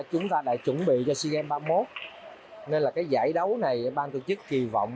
chúng ta đã chuẩn bị cho sea games ba mươi một nên là cái giải đấu này ban tổ chức kỳ vọng